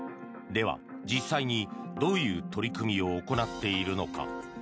では、実際にどういう取り組みを行っているのか。